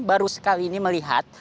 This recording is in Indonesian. baru sekali ini melihat